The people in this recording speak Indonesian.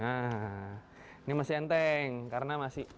nah ini masih enteng karena masih